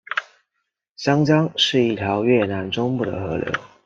香江是一条越南中部的河流。